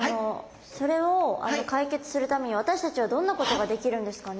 それを解決するために私たちはどんなことができるんですかね。